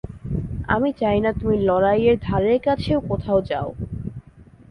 আমি চাই না, তুমি লড়াইয়ের ধারেকাছেও কোথাও যাও।